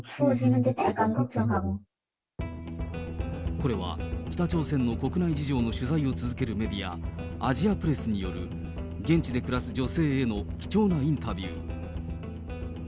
これは、北朝鮮の国内事情の取材を続けるメディア、アジアプレスによる、現地で暮らす女性への貴重なインタビュー。